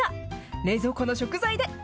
冷蔵庫の食材で。